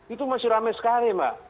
itu masih ramai sekali mbak